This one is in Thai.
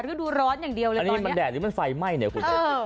ฤดูร้อนอย่างเดียวเลยอันนี้มันแดดหรือมันไฟไหม้เนี่ยคุณผู้ชม